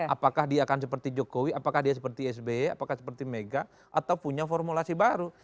apakah dia akan seperti jokowi apakah dia seperti sby apakah seperti mega atau punya formulasi baru